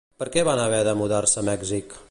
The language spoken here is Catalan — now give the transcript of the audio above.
Per què van haver de mudar-se a Mèxic?